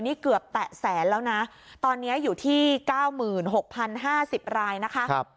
นี่เกือบแตะแสนแล้วนะตอนนี้อยู่ที่๙๖๐๕๐รายนะคะ